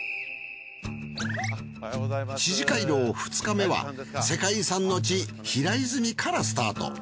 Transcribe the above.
四寺廻廊２日目は世界遺産の地平泉からスタート。